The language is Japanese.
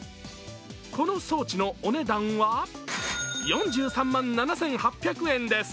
この装置のお値段は４３万７８００円です。